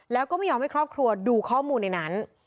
แล้วก็ไม่ยอมให้ครอบครัวดูข้อมูลในนั้น